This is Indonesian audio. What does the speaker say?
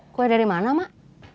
kue dari mana mak